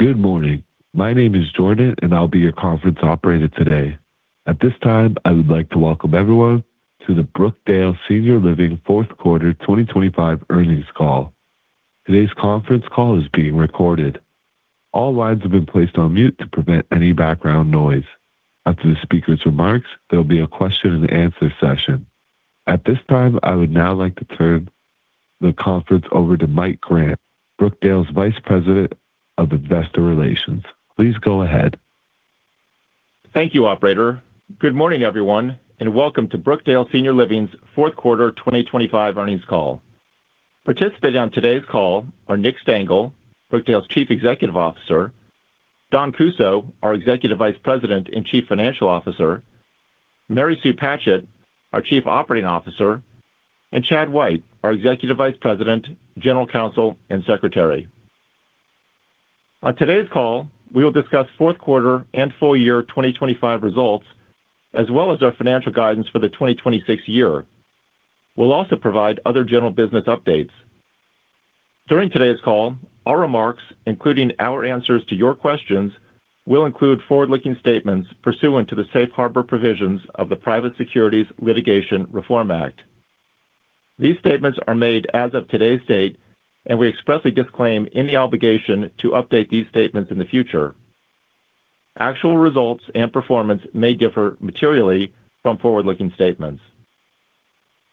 Good morning. My name is Jordan, and I'll be your conference operator today. At this time, I would like to welcome everyone to the Brookdale Senior Living Fourth Quarter 2025 Earnings Call. Today's conference call is being recorded. All lines have been placed on mute to prevent any background noise. After the speaker's remarks, there'll be a question and answer session. At this time, I would now like to turn the conference over to Mike Grant, Brookdale's Vice President of Investor Relations. Please go ahead. Thank you, operator. Good morning, everyone, and welcome to Brookdale Senior Living's fourth quarter 2025 earnings call. Participating on today's call are Nick Stengle, Brookdale's Chief Executive Officer, Dawn Kussow, our Executive Vice President and Chief Financial Officer, Mary Sue Patchett, our Chief Operating Officer, and Chad White, our Executive Vice President, General Counsel, and Secretary. On today's call, we will discuss fourth quarter and full year 2025 results, as well as our financial guidance for the 2026 year. We'll also provide other general business updates. During today's call, our remarks, including our answers to your questions, will include forward-looking statements pursuant to the Safe Harbor provisions of the Private Securities Litigation Reform Act. These statements are made as of today's date, and we expressly disclaim any obligation to update these statements in the future. Actual results and performance may differ materially from forward-looking statements.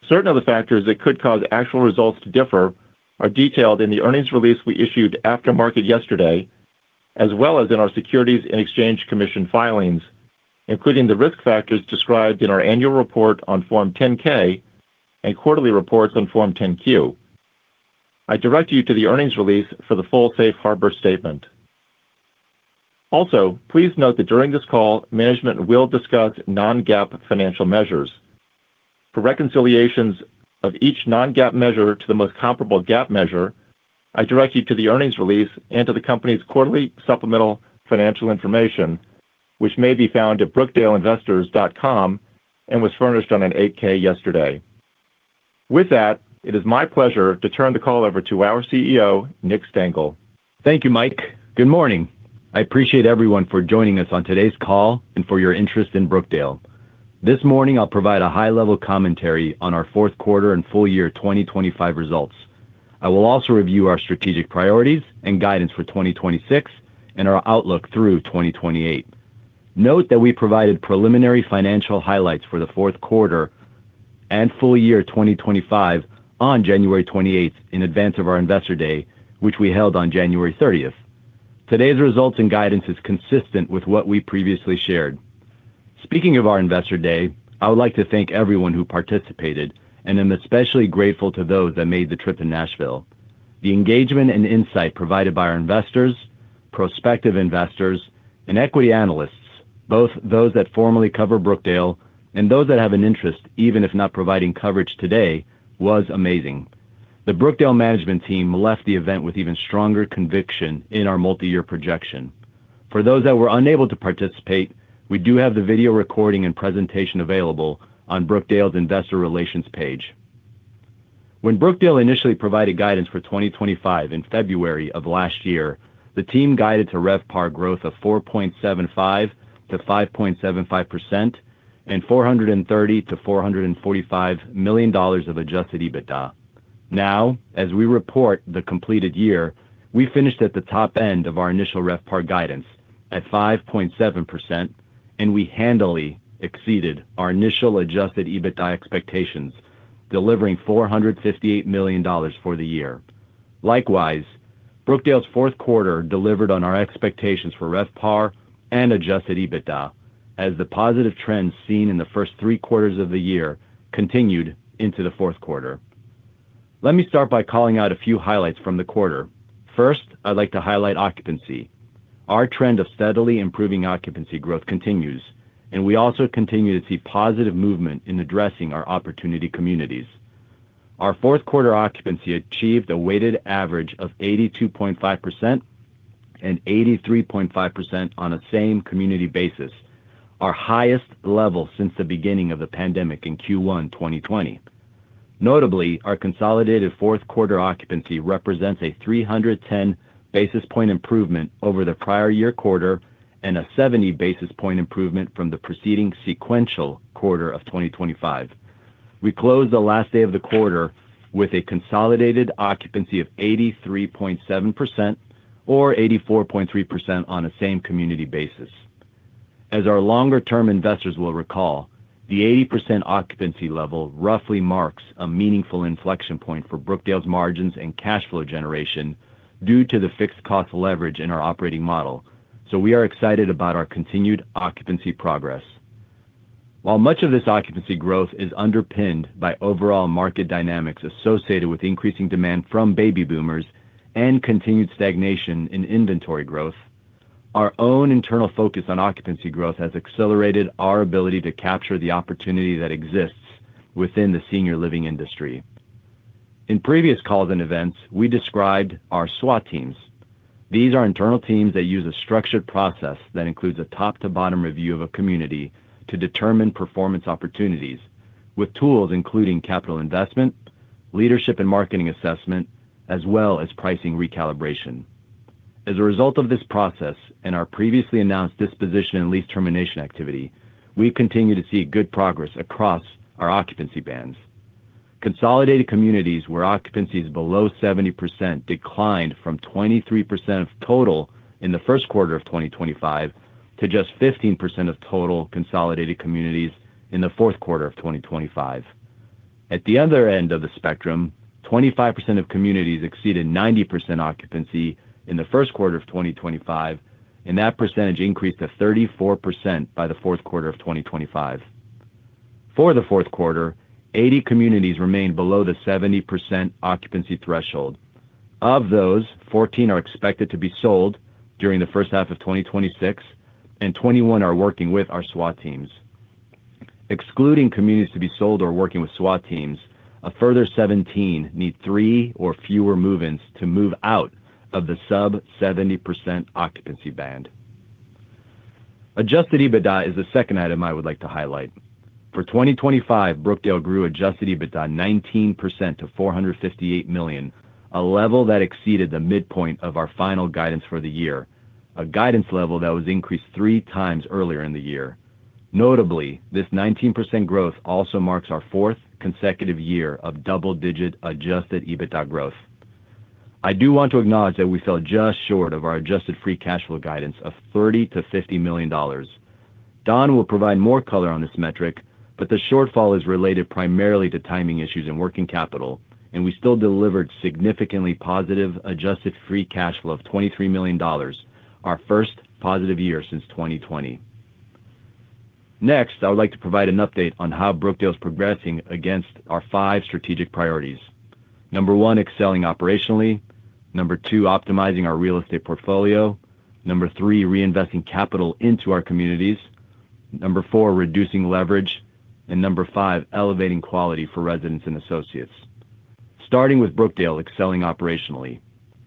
Certain of the factors that could cause actual results to differ are detailed in the earnings release we issued after market yesterday, as well as in our Securities and Exchange Commission filings, including the risk factors described in our annual report on Form 10-K and quarterly reports on Form 10-Q. I direct you to the earnings release for the full Safe Harbor statement. Also, please note that during this call, management will discuss non-GAAP financial measures. For reconciliations of each non-GAAP measure to the most comparable GAAP measure, I direct you to the earnings release and to the company's quarterly supplemental financial information, which may be found at brookdaleinvestors.com and was furnished on an 8-K yesterday. With that, it is my pleasure to turn the call over to our CEO, Nick Stengle. Thank you, Mike. Good morning. I appreciate everyone for joining us on today's call and for your interest in Brookdale. This morning, I'll provide a high-level commentary on our fourth quarter and full year 2025 results. I will also review our strategic priorities and guidance for 2026 and our outlook through 2028. Note that we provided preliminary financial highlights for the fourth quarter and full year 2025 on January 28th in advance of our Investor Day, which we held on January 30th. Today's results and guidance is consistent with what we previously shared. Speaking of our Investor Day, I would like to thank everyone who participated, and I'm especially grateful to those that made the trip to Nashville. The engagement and insight provided by our investors, prospective investors, and equity analysts, both those that formerly cover Brookdale and those that have an interest, even if not providing coverage today, was amazing. The Brookdale management team left the event with even stronger conviction in our multi-year projection. For those that were unable to participate, we do have the video recording and presentation available on Brookdale's Investor Relations page. When Brookdale initially provided guidance for 2025 in February of last year, the team guided to RevPAR growth of 4.75%-5.75% and $430 million-$445 million of Adjusted EBITDA. Now, as we report the completed year, we finished at the top end of our initial RevPAR guidance at 5.7%, and we handily exceeded our initial Adjusted EBITDA expectations, delivering $458 million for the year. Likewise, Brookdale's fourth quarter delivered on our expectations for RevPAR and Adjusted EBITDA, as the positive trends seen in the first three quarters of the year continued into the fourth quarter. Let me start by calling out a few highlights from the quarter. First, I'd like to highlight occupancy. Our trend of steadily improving occupancy growth continues, and we also continue to see positive movement in addressing our opportunity communities. Our fourth quarter occupancy achieved a weighted average of 82.5% and 83.5% on a same-community basis, our highest level since the beginning of the pandemic in Q1 2020. Notably, our consolidated fourth quarter occupancy represents a 310 basis point improvement over the prior year quarter and a 70 basis point improvement from the preceding sequential quarter of 2025. We closed the last day of the quarter with a consolidated occupancy of 83.7% or 84.3% on a same-community basis. As our longer-term investors will recall, the 80% occupancy level roughly marks a meaningful inflection point for Brookdale's margins and cash flow generation due to the fixed cost leverage in our operating model, so we are excited about our continued occupancy progress. While much of this occupancy growth is underpinned by overall market dynamics associated with increasing demand from baby boomers and continued stagnation in inventory growth, our own internal focus on occupancy growth has accelerated our ability to capture the opportunity that exists within the senior living industry. In previous calls and events, we described our SWAT teams. These are internal teams that use a structured process that includes a top-to-bottom review of a community to determine performance opportunities with tools including capital investment, leadership and marketing assessment as well as pricing recalibration. As a result of this process and our previously announced disposition and lease termination activity, we continue to see good progress across our occupancy bands. Consolidated communities where occupancy is below 70% declined from 23% of total in the first quarter of 2025 to just 15% of total consolidated communities in the fourth quarter of 2025. At the other end of the spectrum, 25% of communities exceeded 90% occupancy in the first quarter of 2025, and that percentage increased to 34% by the fourth quarter of 2025. For the fourth quarter, 80 communities remained below the 70% occupancy threshold. Of those, 14 are expected to be sold during the first half of 2026, and 21 are working with our SWAT teams. Excluding communities to be sold or working with SWAT teams, a further 17 need three or fewer move-ins to move out of the sub-70% occupancy band. Adjusted EBITDA is the second item I would like to highlight. For 2025, Brookdale grew Adjusted EBITDA 19% to $458 million, a level that exceeded the midpoint of our final guidance for the year, a guidance level that was increased three times earlier in the year. Notably, this 19% growth also marks our fourth consecutive year of double-digit Adjusted EBITDA growth. I do want to acknowledge that we fell just short of our Adjusted Free Cash Flow guidance of $30 million-$50 million. Dawn will provide more color on this metric, but the shortfall is related primarily to timing issues and working capital, and we still delivered significantly positive Adjusted Free Cash Flow of $23 million, our first positive year since 2020. Next, I would like to provide an update on how Brookdale is progressing against our five strategic priorities. Number 1, excelling operationally. Number 2, optimizing our real estate portfolio. Number 3, reinvesting capital into our communities. Number 4, reducing leverage. And Number 5, elevating quality for residents and associates. Starting with Brookdale excelling operationally,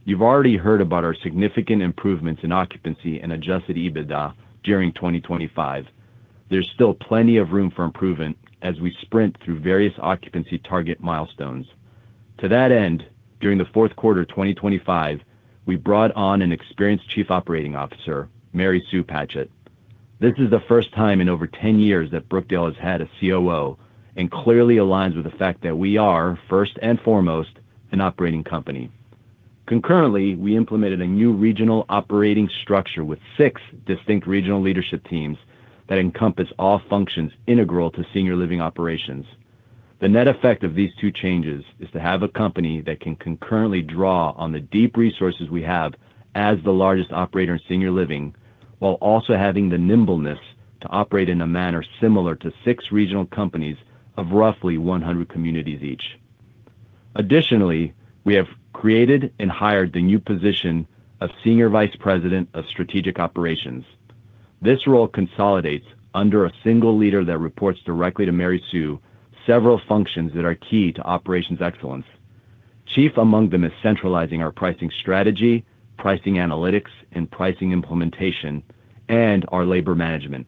you've already heard about our significant improvements in occupancy and Adjusted EBITDA during 2025. There's still plenty of room for improvement as we sprint through various occupancy target milestones. To that end, during the fourth quarter of 2025, we brought on an experienced Chief Operating Officer, Mary Sue Patchett. This is the first time in over 10 years that Brookdale has had a COO and clearly aligns with the fact that we are, first and foremost, an operating company. Concurrently, we implemented a new regional operating structure with six distinct regional leadership teams that encompass all functions integral to senior living operations. The net effect of these two changes is to have a company that can concurrently draw on the deep resources we have as the largest operator in senior living, while also having the nimbleness to operate in a manner similar to six regional companies of roughly 100 communities each. Additionally, we have created and hired the new position of Senior Vice President of Strategic Operations. This role consolidates under a single leader that reports directly to Mary Sue, several functions that are key to operations excellence. Chief among them is centralizing our pricing strategy, pricing analytics, and pricing implementation, and our labor management.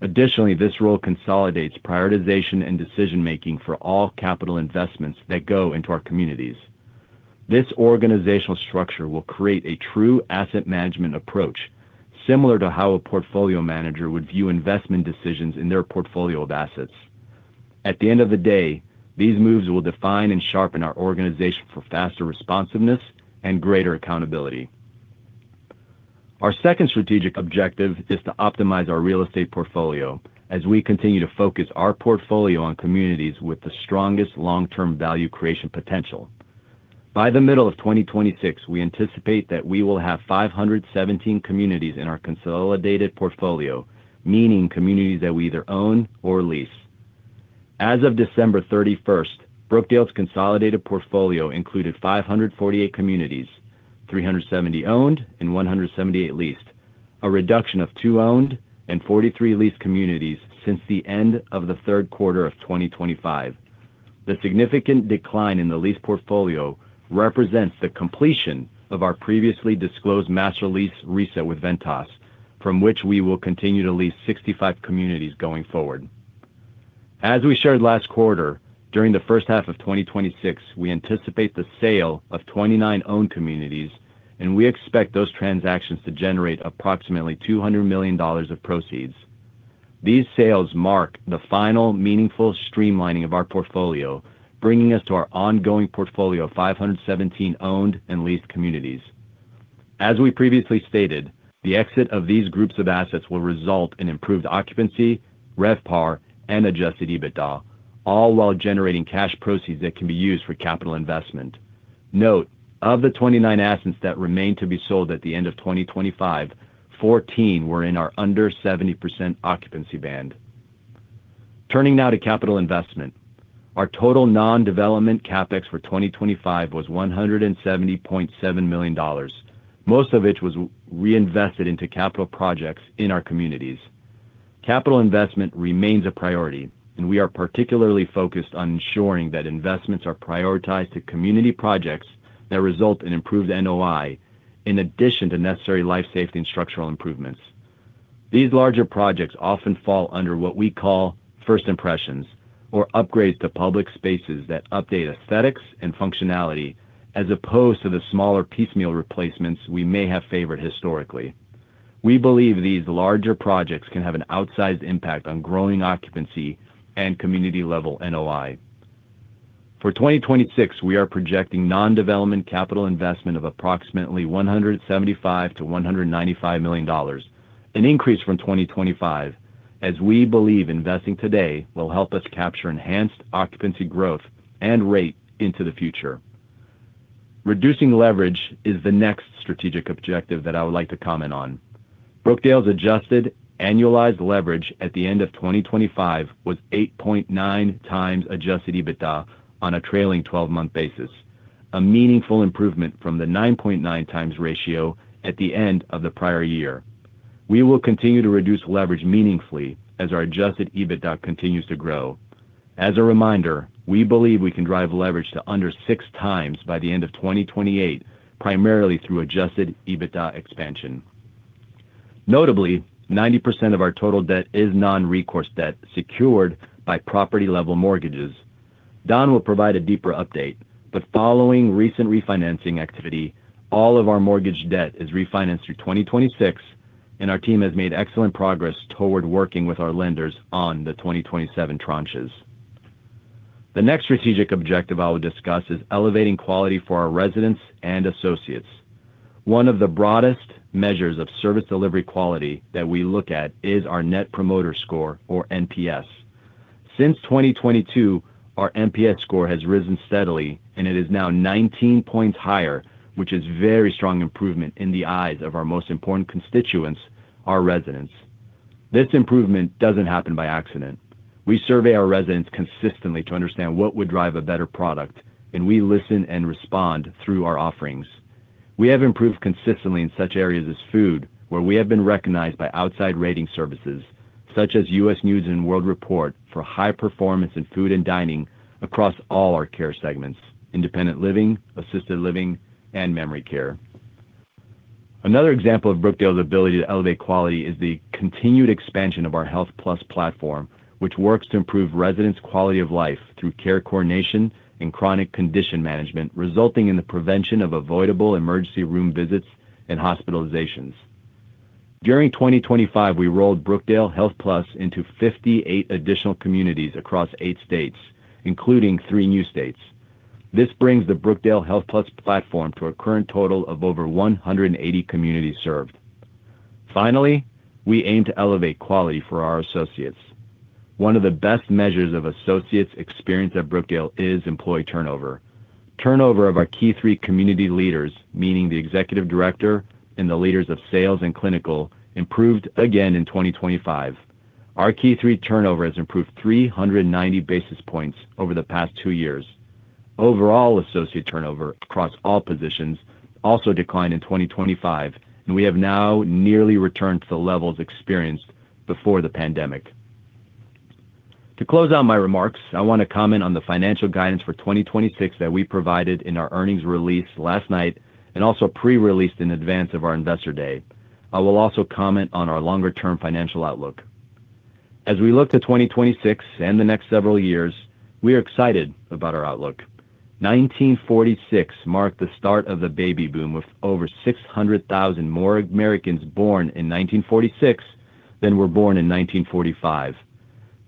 Additionally, this role consolidates prioritization and decision-making for all capital investments that go into our communities. This organizational structure will create a true asset management approach, similar to how a portfolio manager would view investment decisions in their portfolio of assets. At the end of the day, these moves will define and sharpen our organization for faster responsiveness and greater accountability. Our second strategic objective is to optimize our real estate portfolio as we continue to focus our portfolio on communities with the strongest long-term value creation potential. By the middle of 2026, we anticipate that we will have 517 communities in our consolidated portfolio, meaning communities that we either own or lease. As of December 31, Brookdale's consolidated portfolio included 548 communities, 370 owned and 178 leased, a reduction of two owned and 43 leased communities since the end of the third quarter of 2025. The significant decline in the lease portfolio represents the completion of our previously disclosed master lease reset with Ventas, from which we will continue to lease 65 communities going forward. As we shared last quarter, during the first half of 2026, we anticipate the sale of 29 owned communities, and we expect those transactions to generate approximately $200 million of proceeds. These sales mark the final meaningful streamlining of our portfolio, bringing us to our ongoing portfolio of 517 owned and leased communities. As we previously stated, the exit of these groups of assets will result in improved occupancy, RevPAR, and Adjusted EBITDA, all while generating cash proceeds that can be used for capital investment. Note, of the 29 assets that remained to be sold at the end of 2025, 14 were in our under 70% occupancy band. Turning now to capital investment. Our total non-development CapEx for 2025 was $170.7 million, most of which was reinvested into capital projects in our communities. Capital investment remains a priority, and we are particularly focused on ensuring that investments are prioritized to community projects that result in improved NOI, in addition to necessary life, safety, and structural improvements. These larger projects often fall under what we call First Impressions or upgrades to public spaces that update aesthetics and functionality as opposed to the smaller piecemeal replacements we may have favored historically. We believe these larger projects can have an outsized impact on growing occupancy and community-level NOI. For 2026, we are projecting non-development capital investment of approximately $175 million-$195 million, an increase from 2025, as we believe investing today will help us capture enhanced occupancy growth and rate into the future. Reducing leverage is the next strategic objective that I would like to comment on. Brookdale's adjusted annualized leverage at the end of 2025 was 8.9 times Adjusted EBITDA on a trailing twelve-month basis, a meaningful improvement from the 9.9 times ratio at the end of the prior year. We will continue to reduce leverage meaningfully as our Adjusted EBITDA continues to grow. As a reminder, we believe we can drive leverage to under 6x by the end of 2028, primarily through Adjusted EBITDA expansion. Notably, 90% of our total debt is non-recourse debt secured by property-level mortgages. Dawn will provide a deeper update, but following recent refinancing activity, all of our mortgage debt is refinanced through 2026, and our team has made excellent progress toward working with our lenders on the 2027 tranches. The next strategic objective I will discuss is elevating quality for our residents and associates. One of the broadest measures of service delivery quality that we look at is our Net Promoter Score, or NPS. Since 2022, our NPS score has risen steadily, and it is now 19 points higher, which is very strong improvement in the eyes of our most important constituents, our residents. This improvement doesn't happen by accident. We survey our residents consistently to understand what would drive a better product, and we listen and respond through our offerings. We have improved consistently in such areas as food, where we have been recognized by outside rating services, such as US News & World Report, for high performance in food and dining across all our care segments: independent living, assisted living, and memory care. Another example of Brookdale's ability to elevate quality is the continued expansion of our HealthPlus platform, which works to improve residents' quality of life through care coordination and chronic condition management, resulting in the prevention of avoidable emergency room visits and hospitalizations. During 2025, we rolled Brookdale HealthPlus into 58 additional communities across eight states, including three new states. This brings the Brookdale HealthPlus platform to a current total of over 180 communities served. Finally, we aim to elevate quality for our associates. One of the best measures of associates' experience at Brookdale is employee turnover. Turnover of our key three community leaders, meaning the executive director and the leaders of sales and clinical, improved again in 2025. Our key three turnover has improved 390 basis points over the past two years. Overall, associate turnover across all positions also declined in 2025, and we have now nearly returned to the levels experienced before the pandemic. To close out my remarks, I want to comment on the financial guidance for 2026 that we provided in our earnings release last night and also pre-released in advance of our Investor Day. I will also comment on our longer-term financial outlook. As we look to 2026 and the next several years, we are excited about our outlook. 1946 marked the start of the baby boom, with over 600,000 more Americans born in 1946 than were born in 1945.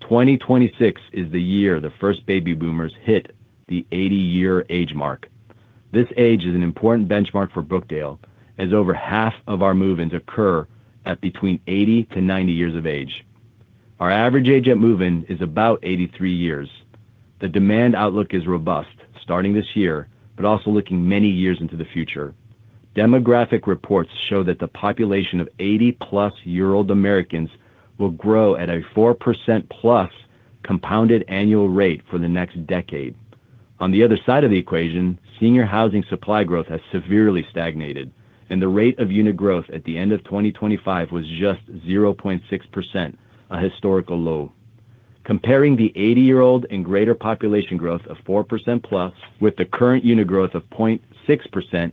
2026 is the year the first baby boomers hit the 80 year age mark. This age is an important benchmark for Brookdale, as over half of our move-ins occur at between 80 to 90 years of age. Our average age at move-in is about 83 years. The demand outlook is robust, starting this year, but also looking many years into the future. Demographic reports show that the population of 80+ year old Americans will grow at a 4%+ compounded annual rate for the next decade. On the other side of the equation, senior housing supply growth has severely stagnated, and the rate of unit growth at the end of 2025 was just 0.6%, a historical low. Comparing the 80 year old and greater population growth of 4%+ with the current unit growth of 0.6%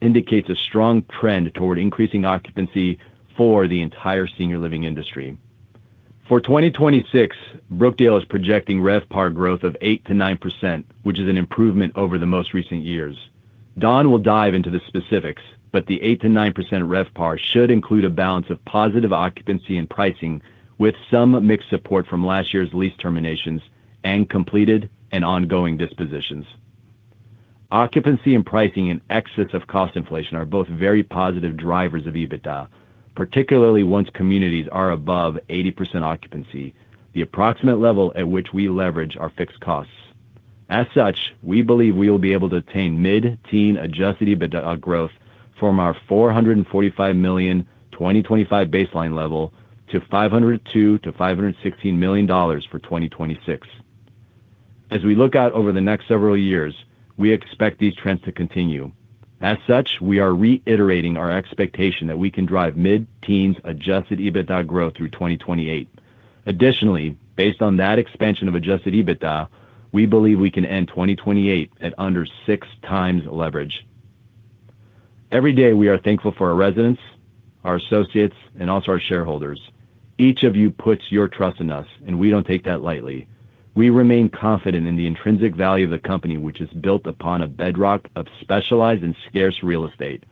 indicates a strong trend toward increasing occupancy for the entire senior living industry. For 2026, Brookdale is projecting RevPAR growth of 8%-9%, which is an improvement over the most recent years. Dawn will dive into the specifics, but the 8%-9% RevPAR should include a balance of positive occupancy and pricing, with some mixed support from last year's lease terminations and completed and ongoing dispositions. Occupancy and pricing in excess of cost inflation are both very positive drivers of EBITDA, particularly once communities are above 80% occupancy, the approximate level at which we leverage our fixed costs. As such, we believe we will be able to attain mid-teen Adjusted EBITDA growth from our $445 million 2025 baseline level to $502 million-$516 million for 2026. As we look out over the next several years, we expect these trends to continue. As such, we are reiterating our expectation that we can drive mid-teens Adjusted EBITDA growth through 2028. Additionally, based on that expansion of Adjusted EBITDA, we believe we can end 2028 at under 6x leverage. Every day, we are thankful for our residents, our associates, and also our shareholders. Each of you puts your trust in us, and we don't take that lightly. We remain confident in the intrinsic value of the company, which is built upon a bedrock of specialized and scarce real estate.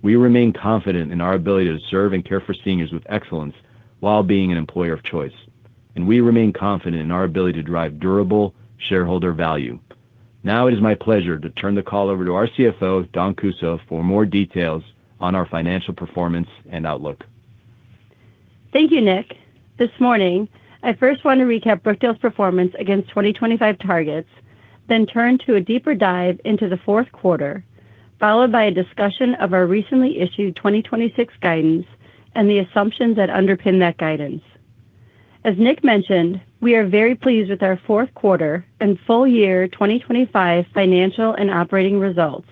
We remain confident in our ability to serve and care for seniors with excellence while being an employer of choice, and we remain confident in our ability to drive durable shareholder value. Now, it is my pleasure to turn the call over to our CFO, Dawn L. Kussow, for more details on our financial performance and outlook. Thank you, Nick. This morning, I first want to recap Brookdale's performance against 2025 targets, then turn to a deeper dive into the fourth quarter, followed by a discussion of our recently issued 2026 guidance and the assumptions that underpin that guidance. As Nick mentioned, we are very pleased with our fourth quarter and full year 2025 financial and operating results.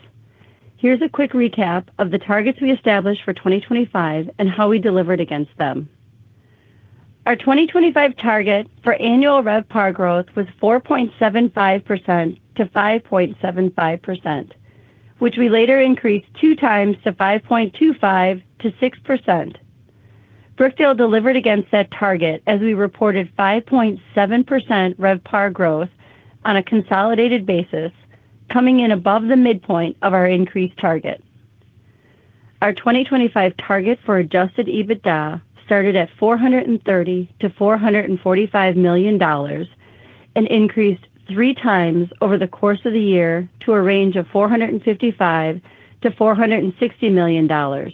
Here's a quick recap of the targets we established for 2025 and how we delivered against them. Our 2025 target for annual RevPAR growth was 4.75%-5.75%, which we later increased two times to 5.25%-6%. Brookdale delivered against that target as we reported 5.7% RevPAR growth on a consolidated basis, coming in above the midpoint of our increased target. Our 2025 target for Adjusted EBITDA started at $430 million-$445 million and increased three times over the course of the year to a range of $455 million-$460 million.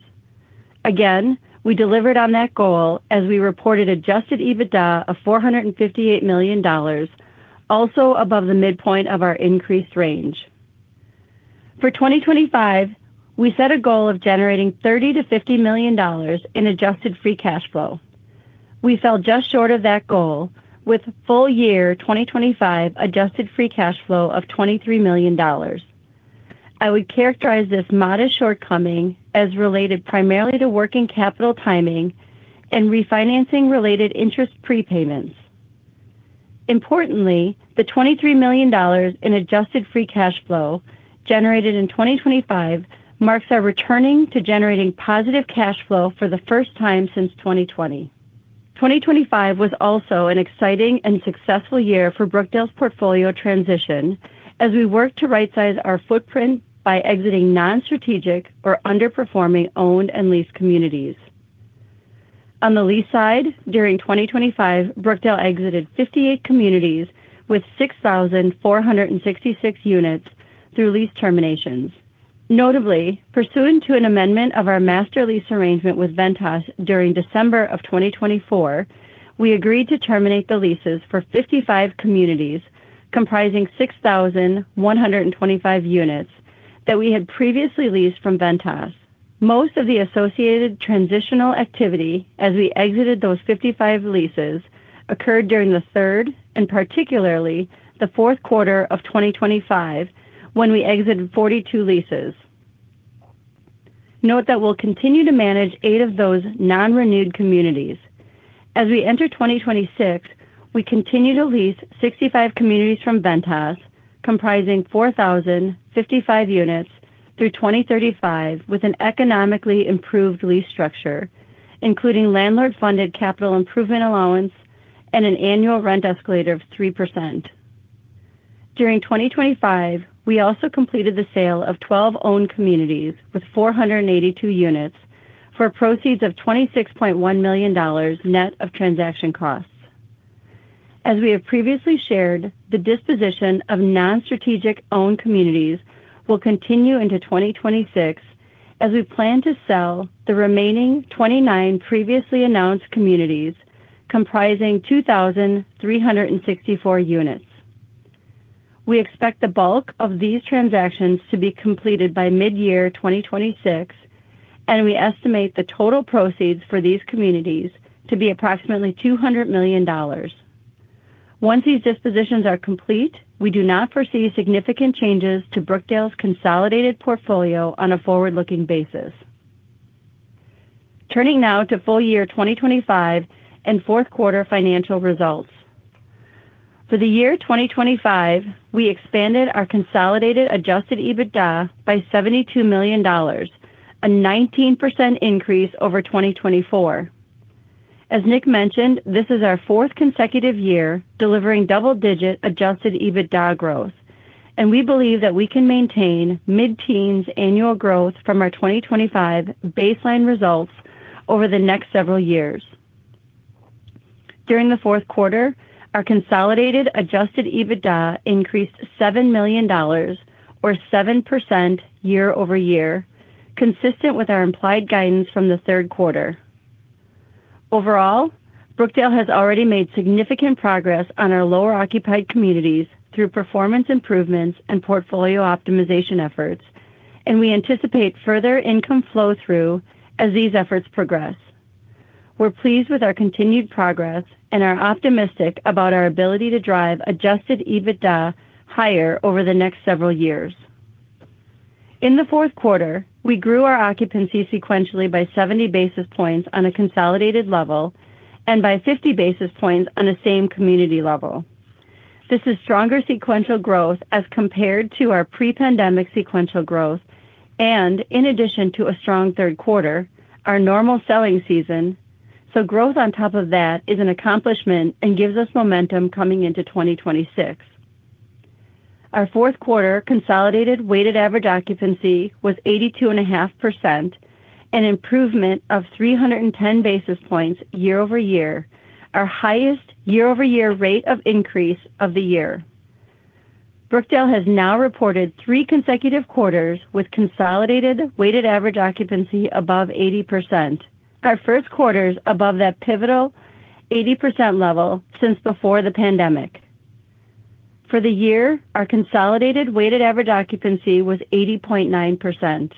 Again, we delivered on that goal as we reported Adjusted EBITDA of $458 million, also above the midpoint of our increased range. For 2025, we set a goal of generating $30 million-$50 million in Adjusted Free Cash Flow. We fell just short of that goal with full year 2025 Adjusted Free Cash Flow of $23 million. I would characterize this modest shortcoming as related primarily to working capital timing and refinancing-related interest prepayments. Importantly, the $23 million in Adjusted Free Cash Flow generated in 2025 marks our returning to generating positive cash flow for the first time since 2020. 2025 was also an exciting and successful year for Brookdale's portfolio transition as we worked to rightsize our footprint by exiting non-strategic or underperforming owned and leased communities. On the lease side, during 2025, Brookdale exited 58 communities with 6,466 units through lease terminations. Notably, pursuant to an amendment of our master lease arrangement with Ventas during December of 2024, we agreed to terminate the leases for 55 communities comprising 6,125 units that we had previously leased from Ventas. Most of the associated transitional activity as we exited those 55 leases occurred during the third, and particularly the fourth quarter of 2025, when we exited 42 leases. Note that we'll continue to manage 8 of those non-renewed communities. As we enter 2026, we continue to lease 65 communities from Ventas, comprising 4,055 units through 2035, with an economically improved lease structure, including landlord-funded capital improvement allowance and an annual rent escalator of 3%. During 2025, we also completed the sale of 12 owned communities with 482 units for proceeds of $26.1 million, net of transaction costs. As we have previously shared, the disposition of non-strategic owned communities will continue into 2026, as we plan to sell the remaining 29 previously announced communities comprising 2,364 units. We expect the bulk of these transactions to be completed by mid-year 2026, and we estimate the total proceeds for these communities to be approximately $200 million. Once these dispositions are complete, we do not foresee significant changes to Brookdale's consolidated portfolio on a forward-looking basis. Turning now to full year 2025 and fourth quarter financial results. For the year 2025, we expanded our consolidated Adjusted EBITDA by $72 million, a 19% increase over 2024. As Nick mentioned, this is our fourth consecutive year delivering double-digit Adjusted EBITDA growth, and we believe that we can maintain mid-teens annual growth from our 2025 baseline results over the next several years. During the fourth quarter, our consolidated Adjusted EBITDA increased $7 million or 7% year-over-year, consistent with our implied guidance from the third quarter. Overall, Brookdale has already made significant progress on our lower-occupied communities through performance improvements and portfolio optimization efforts, and we anticipate further income flow-through as these efforts progress. We're pleased with our continued progress and are optimistic about our ability to drive Adjusted EBITDA higher over the next several years. In the fourth quarter, we grew our occupancy sequentially by 70 basis points on a consolidated level and by 50 basis points on a same community level. This is stronger sequential growth as compared to our pre-pandemic sequential growth, and in addition to a strong third quarter, our normal selling season. So growth on top of that is an accomplishment and gives us momentum coming into 2026. Our fourth quarter consolidated weighted average occupancy was 82.5%, an improvement of 310 basis points year-over-year, our highest year-over-year rate of increase of the year. Brookdale has now reported three consecutive quarters with consolidated weighted average occupancy above 80%. Our first quarter is above that pivotal 80% level since before the pandemic. For the year, our consolidated weighted average occupancy was 80.9%.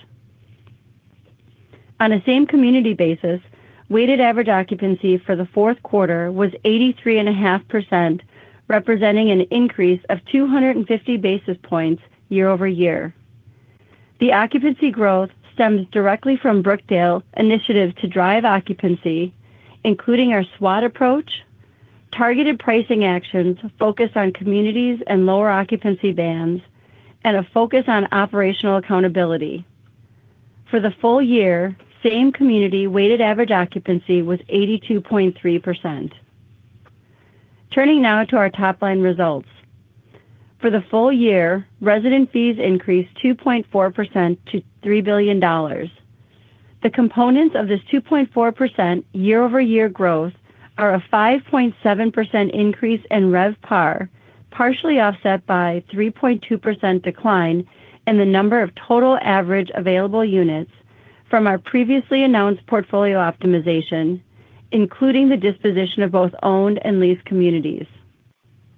On a same community basis, weighted average occupancy for the fourth quarter was 83.5%, representing an increase of 250 basis points year-over-year. The occupancy growth stems directly from Brookdale initiative to drive occupancy, including our SWAT approach, targeted pricing actions focused on communities and lower occupancy bands, and a focus on operational accountability. For the full year, same community weighted average occupancy was 82.3%. Turning now to our top-line results. For the full year, resident fees increased 2.4% to $3 billion. The components of this 2.4% year-over-year growth are a 5.7% increase in RevPAR, partially offset by 3.2% decline in the number of total average available units from our previously announced portfolio optimization, including the disposition of both owned and leased communities.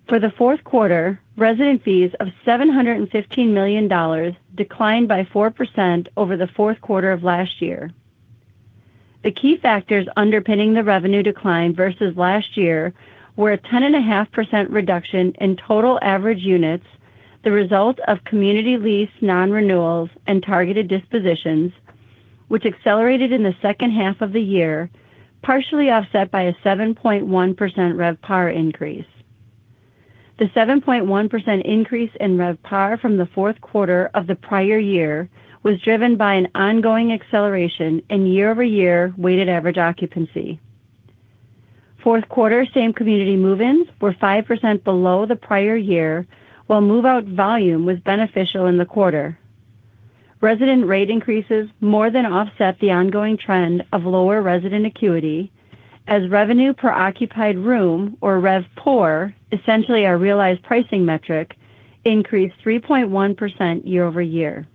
For the fourth quarter, resident fees of $715 million declined by 4% over the fourth quarter of last year. The key factors underpinning the revenue decline versus last year were a 10.5% reduction in total average units, the result of community lease, non-renewals, and targeted dispositions, which accelerated in the second half of the year, partially offset by a 7.1% RevPAR increase. The 7.1% increase in RevPAR from the fourth quarter of the prior year was driven by an ongoing acceleration in year-over-year weighted average occupancy. Fourth quarter same community move-ins were 5% below the prior year, while move-out volume was beneficial in the quarter. Resident rate increases more than offset the ongoing trend of lower resident acuity as revenue per occupied room, or RevPOR, essentially our realized pricing metric, increased 3.1% year-over-year.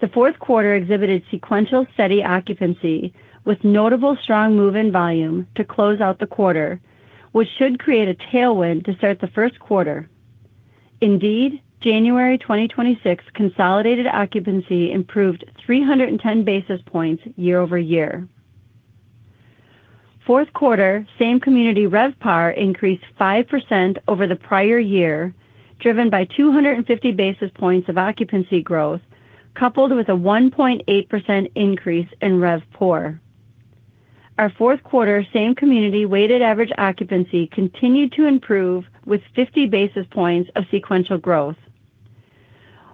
The fourth quarter exhibited sequential steady occupancy with notable strong move-in volume to close out the quarter, which should create a tailwind to start the first quarter. Indeed, January 2026 consolidated occupancy improved 310 basis points year-over-year. Fourth quarter, same community RevPAR increased 5% over the prior year, driven by 250 basis points of occupancy growth, coupled with a 1.8% increase in RevPOR. Our fourth quarter, same community weighted average occupancy continued to improve with 50 basis points of sequential growth.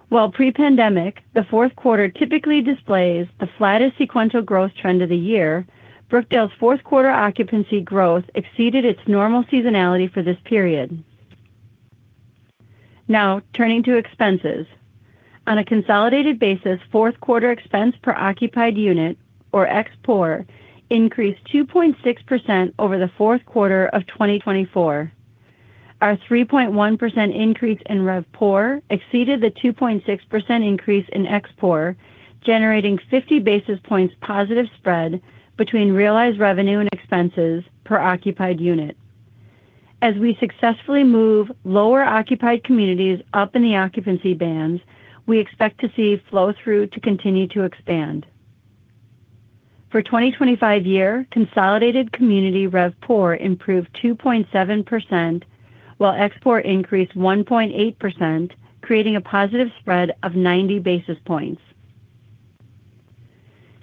While pre-pandemic, the fourth quarter typically displays the flattest sequential growth trend of the year, Brookdale's fourth quarter occupancy growth exceeded its normal seasonality for this period. Now, turning to expenses. On a consolidated basis, fourth quarter expense per occupied unit, or ExPOR, increased 2.6% over the fourth quarter of 2024. Our 3.1% increase in RevPOR exceeded the 2.6% increase in ExPOR, generating 50 basis points positive spread between realized revenue and expenses per occupied unit. As we successfully move lower occupied communities up in the occupancy bands, we expect to see flow-through to continue to expand. For 2025 year, consolidated community RevPOR improved 2.7%, while ExPOR increased 1.8%, creating a positive spread of 90 basis points.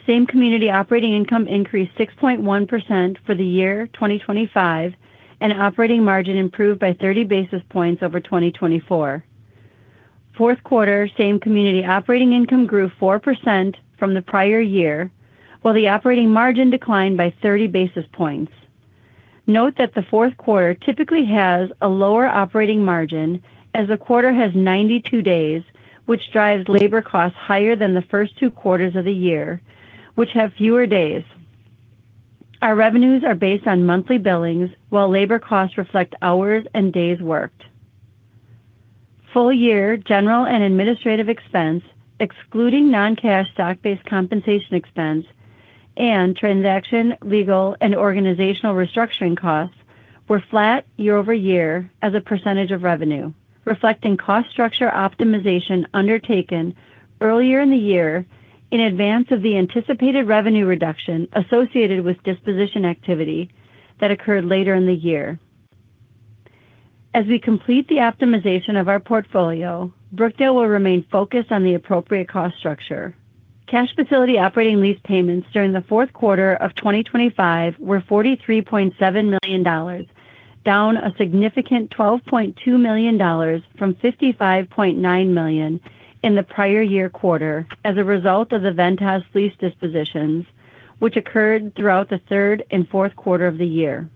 Same community operating income increased 6.1% for the year 2025, and operating margin improved by 30 basis points over 2024. Fourth quarter, same community operating income grew 4% from the prior year, while the operating margin declined by 30 basis points. Note that the fourth quarter typically has a lower operating margin, as the quarter has 92 days, which drives labor costs higher than the first two quarters of the year, which have fewer days. Our revenues are based on monthly billings, while labor costs reflect hours and days worked. Full year, general and administrative expense, excluding non-cash stock-based compensation expense and transaction, legal, and organizational restructuring costs, were flat year-over-year as a percentage of revenue, reflecting cost structure optimization undertaken earlier in the year in advance of the anticipated revenue reduction associated with disposition activity that occurred later in the year. As we complete the optimization of our portfolio, Brookdale will remain focused on the appropriate cost structure. Cash facility operating lease payments during the fourth quarter of 2025 were $43.7 million down a significant $12.2 million from $55.9 million in the prior year quarter as a result of the Ventas lease dispositions which occurred throughout the third and fourth quarter of the year.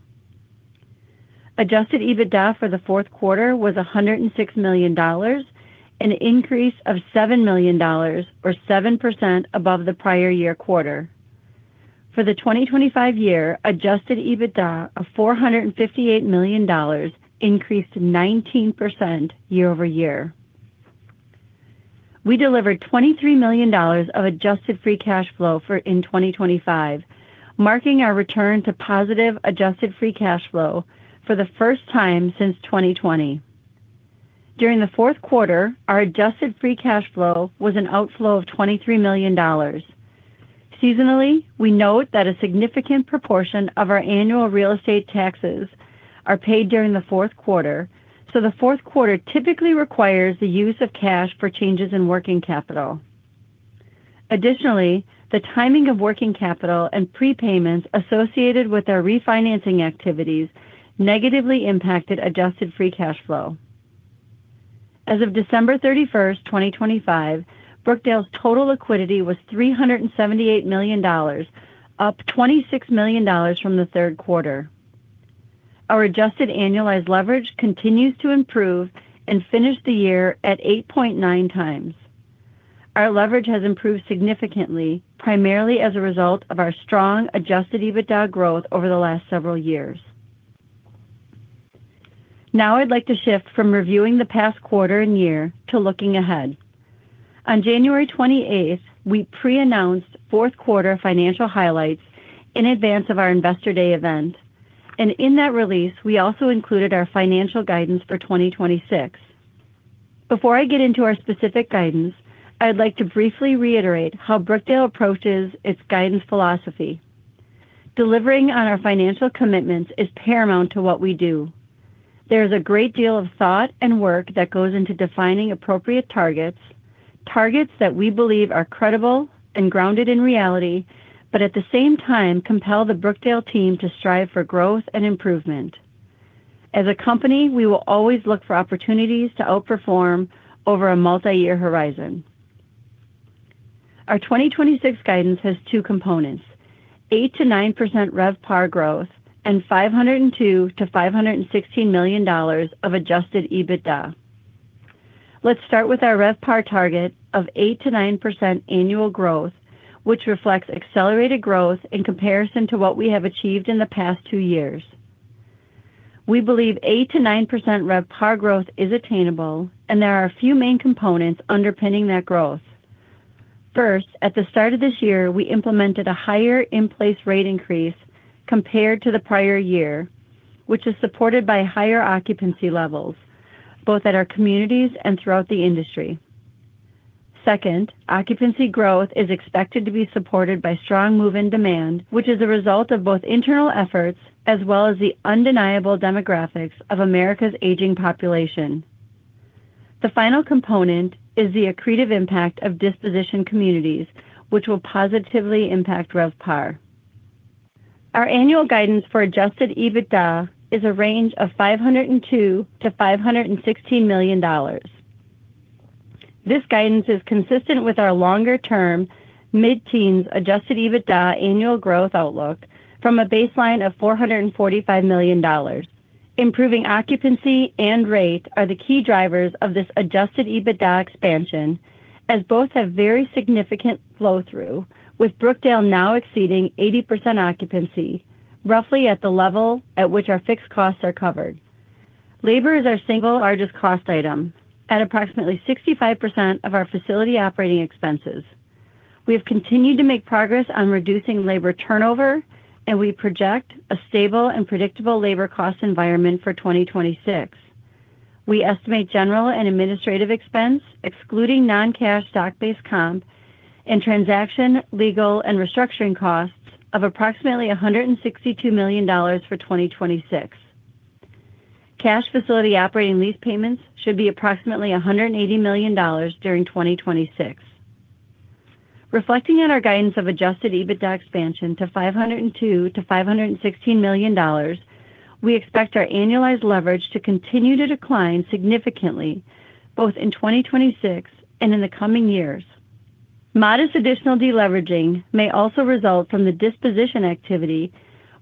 Adjusted EBITDA for the fourth quarter was $106 million, an increase of $7 million or 7% above the prior year quarter. For the 2025 year, Adjusted EBITDA of $458 million increased 19% year-over-year. We delivered $23 million of adjusted free cash flow for in 2025, marking our return to positive adjusted free cash flow for the first time since 2020. During the fourth quarter, our adjusted free cash flow was an outflow of $23 million. Seasonally, we note that a significant proportion of our annual real estate taxes are paid during the fourth quarter, so the fourth quarter typically requires the use of cash for changes in working capital. Additionally, the timing of working capital and prepayments associated with our refinancing activities negatively impacted adjusted free cash flow. As of December 31, 2025, Brookdale's total liquidity was $378 million, up $26 million from the third quarter. Our adjusted annualized leverage continues to improve and finished the year at 8.9 times. Our leverage has improved significantly, primarily as a result of our strong Adjusted EBITDA growth over the last several years. Now I'd like to shift from reviewing the past quarter and year to looking ahead. On January 28, we pre-announced fourth quarter financial highlights in advance of our Investor Day event, and in that release, we also included our financial guidance for 2026. Before I get into our specific guidance, I'd like to briefly reiterate how Brookdale approaches its guidance philosophy. Delivering on our financial commitments is paramount to what we do. There's a great deal of thought and work that goes into defining appropriate targets, targets that we believe are credible and grounded in reality, but at the same time, compel the Brookdale team to strive for growth and improvement. As a company, we will always look for opportunities to outperform over a multi-year horizon. Our 2026 guidance has two components, 8%-9% RevPAR growth and $502 million-$516 million of Adjusted EBITDA. Let's start with our RevPAR target of 8%-9% annual growth, which reflects accelerated growth in comparison to what we have achieved in the past two years. We believe 8%-9% RevPAR growth is attainable, and there are a few main components underpinning that growth. First, at the start of this year, we implemented a higher in-place rate increase compared to the prior year, which is supported by higher occupancy levels, both at our communities and throughout the industry. Second, occupancy growth is expected to be supported by strong move-in demand, which is a result of both internal efforts as well as the undeniable demographics of America's aging population. The final component is the accretive impact of disposition communities, which will positively impact RevPAR. Our annual guidance for Adjusted EBITDA is a range of $502 million-$516 million. This guidance is consistent with our longer-term mid-teens Adjusted EBITDA annual growth outlook from a baseline of $445 million. Improving occupancy and rate are the key drivers of this Adjusted EBITDA expansion, as both have very significant flow-through, with Brookdale now exceeding 80% occupancy, roughly at the level at which our fixed costs are covered. Labor is our single largest cost item at approximately 65% of our facility operating expenses. We have continued to make progress on reducing labor turnover, and we project a stable and predictable labor cost environment for 2026. We estimate general and administrative expense, excluding non-cash stock-based comp and transaction, legal, and restructuring costs of approximately $162 million for 2026. Cash facility operating lease payments should be approximately $180 million during 2026. Reflecting on our guidance of Adjusted EBITDA expansion to $502 million-$516 million, we expect our annualized leverage to continue to decline significantly, both in 2026 and in the coming years. Modest additional deleveraging may also result from the disposition activity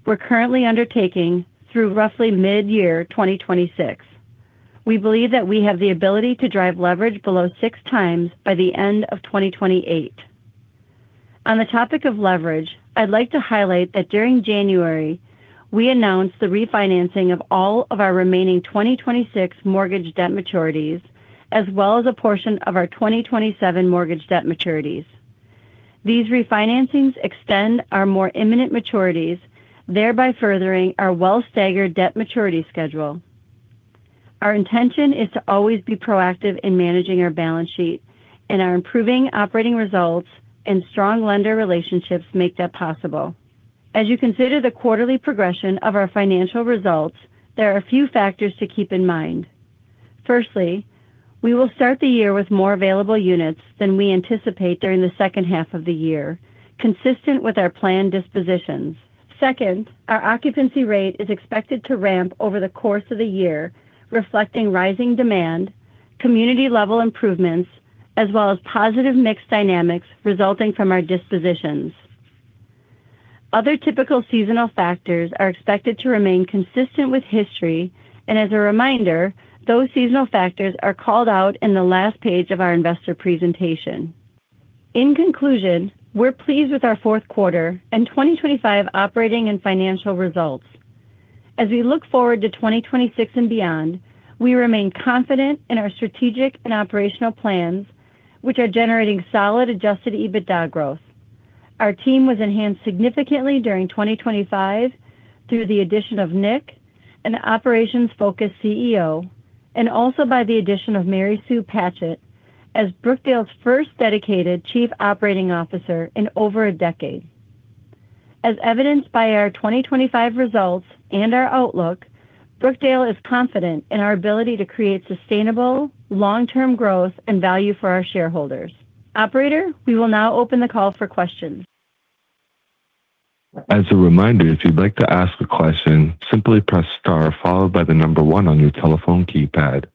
we're currently undertaking through roughly mid-year 2026. We believe that we have the ability to drive leverage below six times by the end of 2028. On the topic of leverage, I'd like to highlight that during January, we announced the refinancing of all of our remaining 2026 mortgage debt maturities, as well as a portion of our 2027 mortgage debt maturities. These refinancings extend our more imminent maturities, thereby furthering our well-staggered debt maturity schedule. Our intention is to always be proactive in managing our balance sheet, and our improving operating results and strong lender relationships make that possible. As you consider the quarterly progression of our financial results, there are a few factors to keep in mind. Firstly, we will start the year with more available units than we anticipate during the second half of the year, consistent with our planned dispositions. Second, our occupancy rate is expected to ramp over the course of the year, reflecting rising demand, community-level improvements, as well as positive mixed dynamics resulting from our dispositions. Other typical seasonal factors are expected to remain consistent with history, and as a reminder, those seasonal factors are called out in the last page of our investor presentation. In conclusion, we're pleased with our fourth quarter and 2025 operating and financial results. As we look forward to 2026 and beyond, we remain confident in our strategic and operational plans, which are generating solid Adjusted EBITDA growth. Our team was enhanced significantly during 2025 through the addition of Nick, an operations-focused CEO, and also by the addition of Mary Sue Patchett as Brookdale's first dedicated Chief Operating Officer in over a decade. As evidenced by our 2025 results and our outlook, Brookdale is confident in our ability to create sustainable, long-term growth and value for our shareholders. Operator, we will now open the call for questions. As a reminder, if you'd like to ask a question, simply press star followed by the number one on your telephone keypad.